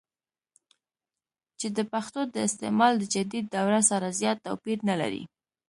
چې دَپښتو دَاستعمال دَجديد دور سره زيات توپير نۀ لري